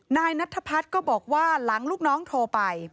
นายนัทพัฒน์ก็บอกว่าหลังลูกน้องโทรไป